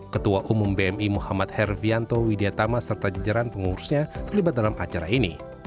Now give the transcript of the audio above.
ketua umum bmi muhammad herfianto widiatama serta jeran pengurusnya terlibat dalam acara ini